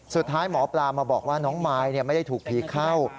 สุดท้ายหมอปลามาบอกว่าน้องมายไม่ได้ถูกผีเข้า